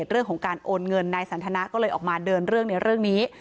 เรื่องของการโอนเงินนายสันทนาก็เลยออกมาเดินเรื่องในเรื่องนี้